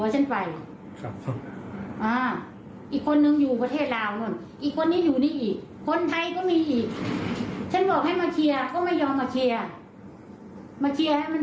เสร็จให้มันจบซะมีตะเบียนส่งรถ